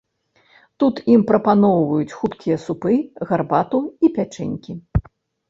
Тут ім прапаноўваюць хуткія супы, гарбату і пячэнькі.